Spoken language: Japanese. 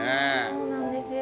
そうなんですよ。